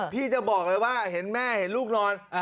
พี่จะบอกเลยว่าเห็นแม่เห็นลูกนอน